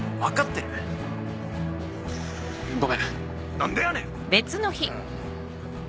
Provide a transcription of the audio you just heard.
何でやねん！